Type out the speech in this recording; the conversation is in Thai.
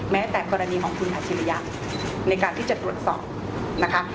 แม้แต่กรณีของคุณอาชิริยะในการที่จะตรวจสอบนะคะ